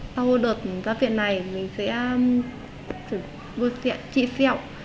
sau đợt ra viện này mình sẽ trị xeo